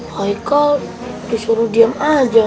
haikal disuruh diam aja